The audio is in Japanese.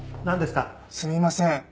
すみません。